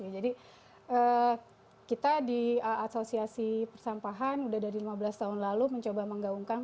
jadi kita di asosiasi persampahan sudah dari lima belas tahun lalu mencoba menggaungkan